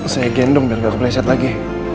saya gendong biar gak kebleset lagi